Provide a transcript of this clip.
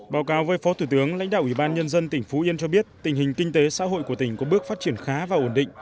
báo cáo với phó thủ tướng lãnh đạo ủy ban nhân dân tỉnh phú yên cho biết tình hình kinh tế xã hội của tỉnh có bước phát triển khá và ổn định